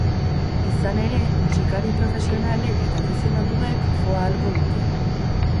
Izan ere, musikari profesionalek eta afizionatuek jo ahalko dute.